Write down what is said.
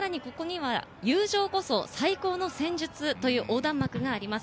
さらに、ここには「友情こそ最高の戦術」という横断幕があります。